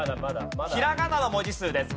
ひらがなの文字数です。